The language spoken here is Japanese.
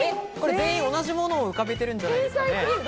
全員、同じものを浮かべているんじゃないですかね。